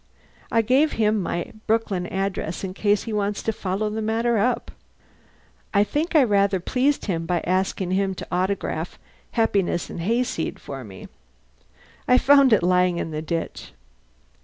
I gave him my Brooklyn address in case he wants to follow the matter up. I think I rather pleased him by asking him to autograph 'Happiness and Hayseed' for me. I found it lying in the ditch."